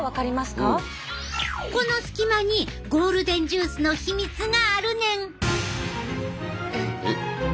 この隙間にゴールデンジュースの秘密があるねん！